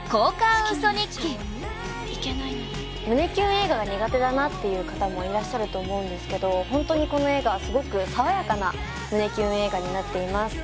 映画が苦手だなっていう方もいらっしゃると思うんですけどホントにこの映画すごく爽やかな胸キュン映画になっています